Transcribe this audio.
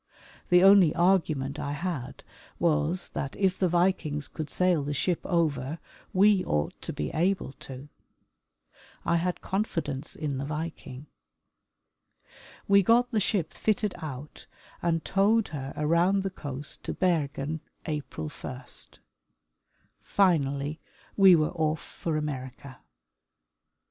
The only argu ment I had was that if the Vikings could sail the ship over, 136 Magnus Andersen — Nonvay and the Vikings. we ought to be able to. I had confidence in the Viking. We got the ship fitted out and towed her around the coast to Bergen April 1. Finally, we were off for America.